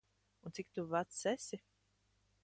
Un, cik tu vecs esi?